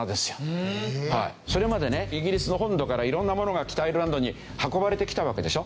それまでねイギリスの本土から色んなものが北アイルランドに運ばれてきたわけでしょ？